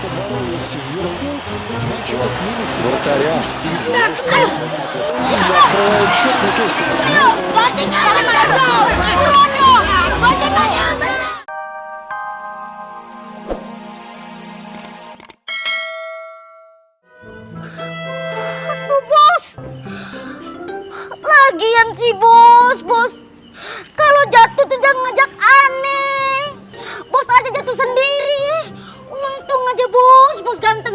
lagian si bos bos kalau jatuh jangan ngajak aneh bos aja jatuh sendiri untung aja bos ganteng